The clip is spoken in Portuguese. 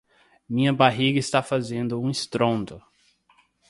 minha barriga está fazendo um estrondo